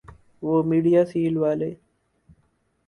وہ میڈیاسیل والے؟